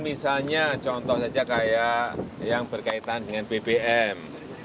misalnya contoh saja kayak yang berkaitan dengan bbm